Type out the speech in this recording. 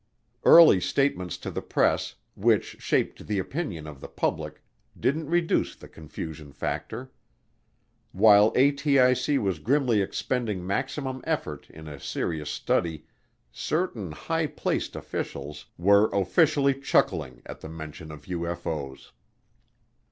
Early statements to the press, which shaped the opinion of the public, didn't reduce the confusion factor. While ATIC was grimly expending maximum effort in a serious study, "certain high placed officials" were officially chuckling at the mention of UFO's.